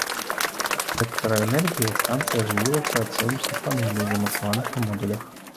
Электраэнергіяй станцыя жывілася ад сонечных панэлей, замацаваных на модулях.